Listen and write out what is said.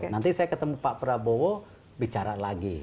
nanti saya ketemu pak prabowo bicara lagi